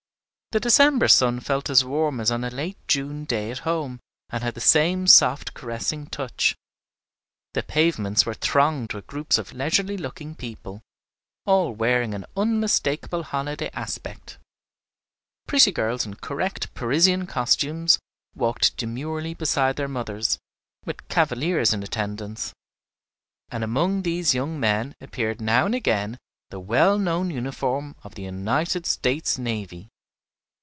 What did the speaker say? The December sun felt as warm as on a late June day at home, and had the same soft caressing touch. The pavements were thronged with groups of leisurely looking people, all wearing an unmistakable holiday aspect; pretty girls in correct Parisian costumes walked demurely beside their mothers, with cavaliers in attendance; and among these young men appeared now and again the well known uniform of the United States Navy.